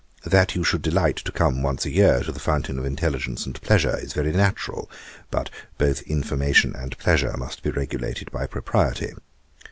That you should delight to come once a year to the fountain of intelligence and pleasure, is very natural; but both information and pleasure must be regulated by propriety.